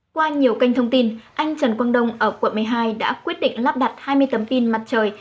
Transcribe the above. qua nhiều kênh thông tin anh trần quang đông ở quận một mươi hai đã quyết định lắp đặt hai mươi tấm pin mặt trời